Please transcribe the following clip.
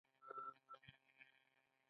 ایا زه باید انځر وخورم؟